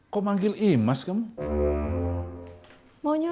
kayaknya ini bukannya